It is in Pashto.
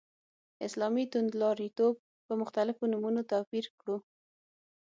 اسلامي توندلاریتوب په مختلفو نومونو توپير کړو.